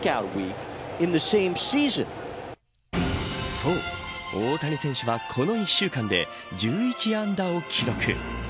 そう、大谷選手はこの１週間で１１安打を記録。